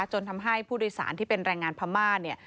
จนทำให้ผู้โดยสารที่เป็นแรงงานพม่าเนี่ย